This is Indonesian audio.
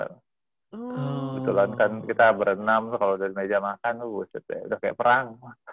kebetulan kan kita berenam kalau dari meja makan tuh udah kayak perang